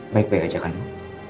baik baik aja kan bu